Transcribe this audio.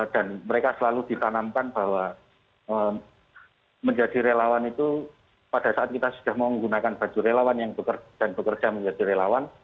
dan mereka selalu ditanamkan bahwa menjadi relawan itu pada saat kita sudah menggunakan baju relawan dan bekerja menjadi relawan